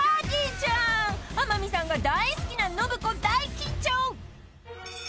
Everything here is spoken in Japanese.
［天海さんが大好きな信子大緊張！］